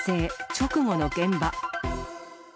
直後の現場。